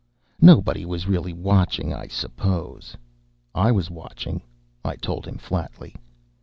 "Nobody was really watching, I suppose." "I was watching," I told him flatly.